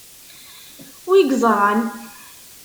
Wi yeẓran?